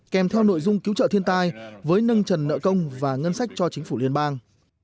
kèm theo nội dung cứu trợ thiên tai với nâng trần nợ công và ngân sách cho chính phủ liên bang